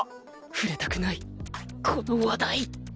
触れたくないこの話題